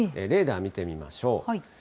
レーダー見てみましょう。